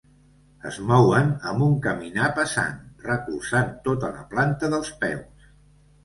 Es mouen amb un caminar pesant, recolzant tota la planta dels peus.